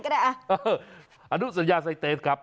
ยืนยันว่าม่อข้าวมาแกงลิงทั้งสองชนิด